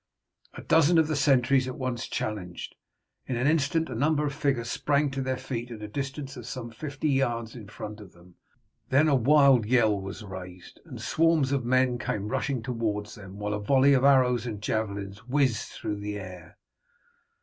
A dozen of the sentries at once challenged. In an instant a number of figures sprang to their feet at a distance of some fifty yards in front of them. Then a wild yell was raised, and swarms of men came rushing towards them, while a volley of arrows and javelins whizzed through the air.